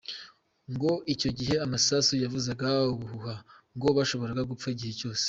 Ngo icyo gihe amasasu yavuzaga ubuhuha , ngo yashoboraga gupfa igihe cyose!